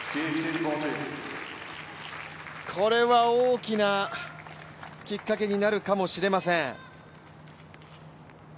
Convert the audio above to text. これは大きなきっかけになるかもしれません。